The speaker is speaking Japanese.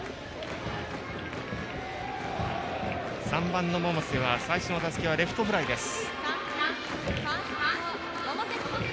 ３番の百瀬は最初の打席はレフトフライです。